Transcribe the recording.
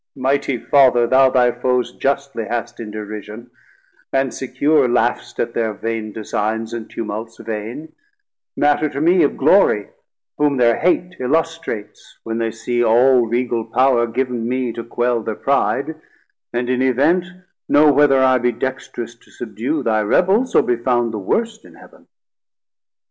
Mightie Father, thou thy foes Justly hast in derision, and secure Laugh'st at thir vain designes and tumults vain, Matter to mee of Glory, whom thir hate Illustrates, when they see all Regal Power Giv'n me to quell thir pride, and in event Know whether I be dextrous to subdue Thy Rebels, or be found the worst in Heav'n.